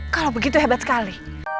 kalau begitu hebat sekali